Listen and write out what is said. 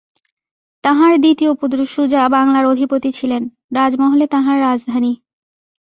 তাঁহার দ্বিতীয় পুত্র সুজা বাংলার অধিপতি ছিলেন, রাজমহলে তাঁহার রাজধানী।